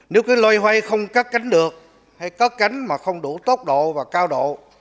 nếu cái lôi hoay không cắt cánh được hay cắt cánh mà không đủ tốc độ và cao độ